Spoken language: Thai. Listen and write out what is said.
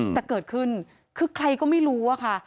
แต่เกิดขึ้นคือใครก็ไม่รู้อะค่ะ